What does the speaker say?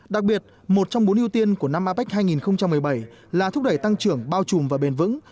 đặc biệt một trong bốn ưu tiên của năm apec hai nghìn một mươi bảy là thúc đẩy tăng trưởng bao trùm và bền vững